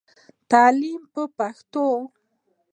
تعليم په پښتو.